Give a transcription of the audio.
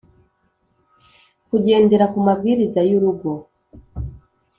gukendera kumabwiriza yu rugo